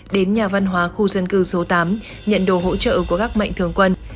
đến nhà văn hóa khu dân cư số tám nhận đồ hỗ trợ của các mạnh thường quân